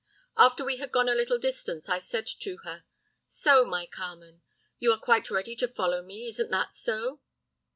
"After we had gone a little distance I said to her, 'So, my Carmen, you are quite ready to follow me, isn't that so?